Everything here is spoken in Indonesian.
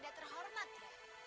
aku sudah mengambil tanda